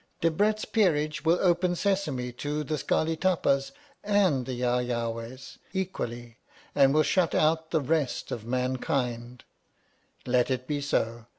Debrett's Peerage will open Sesame to the Scarli Tapas and the Yawyawahs equally, and will shut out " the Let it be so.